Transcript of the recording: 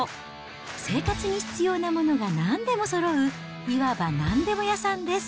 生活に必要なものが何でもそろう、いわば何でも屋さんです。